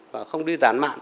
và không đi giản mạn